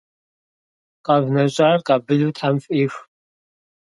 КъэвнэщӀар къабылу тхьэм фӀих.